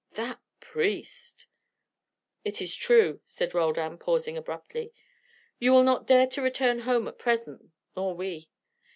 that priest!" "It is true," said Roldan, pausing abruptly. "You will not dare to return home at present nor we.